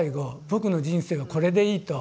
「ぼくの人生はこれでいい」と。